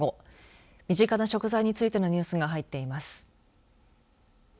身近な食材についてのニュースが入っています。